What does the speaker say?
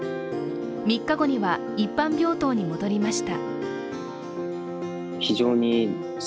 ３日後には一般病棟に戻りました。